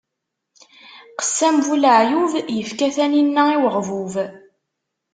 Qessam bu leɛyub, ifka taninna i uɣbub.